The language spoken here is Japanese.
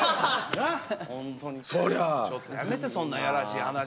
ちょっとやめてそんなやらしい話。